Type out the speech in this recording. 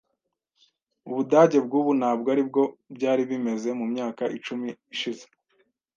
Ubudage bwubu ntabwo aribwo byari bimeze mumyaka icumi ishize.